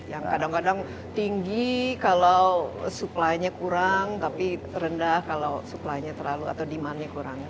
yang kadang kadang tinggi kalau supply nya kurang tapi rendah kalau supply nya terlalu atau demandnya kurang